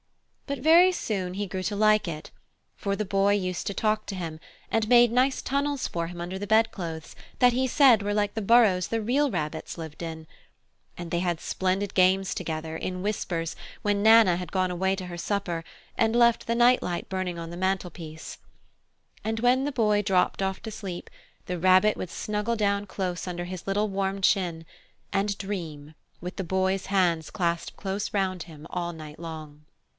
But very soon he grew to like it, for the Boy used to talk to him, and made nice tunnels for him under the bedclothes that he said were like the burrows the real rabbits lived in. And they had splendid games together, in whispers, when Nana had gone away to her supper and left the night light burning on the mantelpiece. And when the Boy dropped off to sleep, the Rabbit would snuggle down close under his little warm chin and dream, with the Boy's hands clasped close round him all night long.